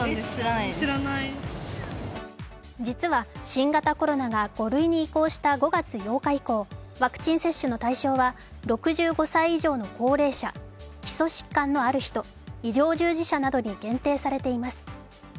実は新型コロナが５類に移行した５月８日以降、ワクチン接種の対象は６５歳以上の高齢者、基礎疾患のある人、医療従事者などに限定されています。